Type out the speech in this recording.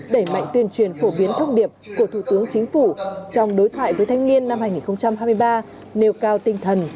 đẩy mạnh tuyên truyền phổ biến thông điệp của thủ tướng chính phủ trong đối thoại với thanh niên năm hai nghìn hai mươi ba nêu cao tinh thần